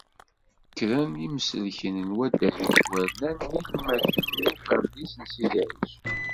Kkren yimsellken n wadeg yettwarnan n Yilmaten, n Uferdis n Sidi Ɛic.